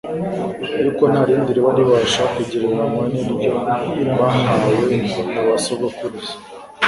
yuko nta rindi riba ribasha kugereranywa n’iryo bahawe na basogokuruza.